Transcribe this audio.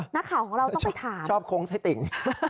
นักข่าวของเราต้องไปถามชอบโค้งไส้ติ่ง